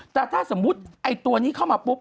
แต่ถ้าสมมุติไอ้ตัวนี้เข้ามาปุ๊บ